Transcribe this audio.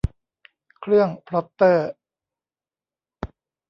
เครื่องพล็อตเตอร์